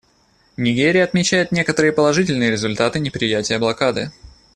Нигерия отмечает некоторые положительные результаты неприятия блокады.